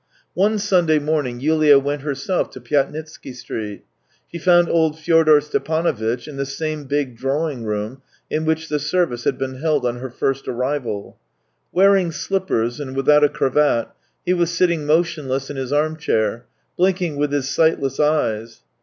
One Sunday morning Yulia went herself to Pyatnitsky Street. She found old Fyodor Ste panovitch in the same big drawing room in which the service had been held on her first arrival. Wearing slippers, and without a cravat, he was sitting motionless in his arm chair, blinking with his sightless eyes.